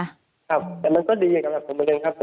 ครับแต่มันก็ดีอย่างสำหรับผมเหมือนกันครับผม